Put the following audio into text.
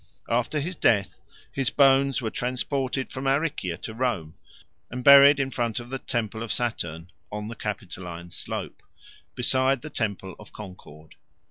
After his death his bones were transported from Aricia to Rome and buried in front of the temple of Saturn, on the Capitoline slope, beside the temple of Concord.